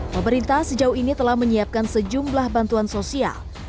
pemerintah sejauh ini telah menyiapkan sejumlah bantuan sosial